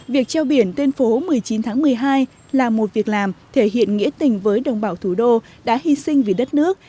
việc treo biển tuyên phố một mươi chín tháng một mươi hai là một việc làm thể hiện nghĩa tình với đồng bào thủ đô đã hy sinh vì đất nước